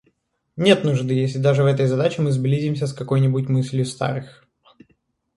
Нет нужды, если даже в этой задаче мы сблизимся с какой-нибудь мыслью старых.